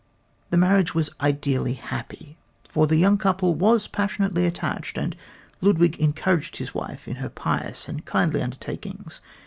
The marriage was ideally happy, for the young couple was passionately attached, and Ludwig encouraged his wife in her pious and kindly undertakings.